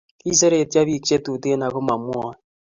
kIseret pik chetuten ako mamwae